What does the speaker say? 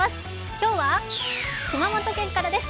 今日は熊本県からです